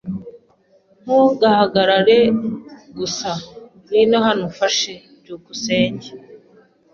Ntugahagarare gusa. Ngwino hano umfashe. byukusenge